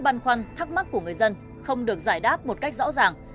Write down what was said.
băn khoăn thắc mắc của người dân không được giải đáp một cách rõ ràng